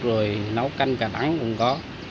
rồi nấu canh cà tắn cũng có